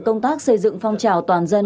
công tác xây dựng phong trào toàn dân